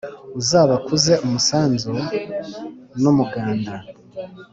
Uzabakuze umusanzu n’umuganda,